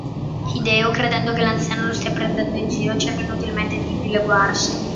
Hideo, credendo che l’anziano lo stia prendendo in giro, cerca inutilmente di dileguarsi.